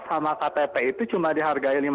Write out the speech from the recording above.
sama ktp itu cuma dihargai